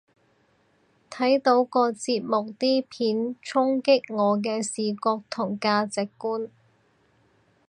睇到個節目啲片衝擊我嘅視覺同價值觀